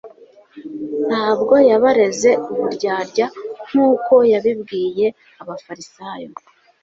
Ntabwo yabareze uburyarya nk'uko yabibwiye abafarisayo,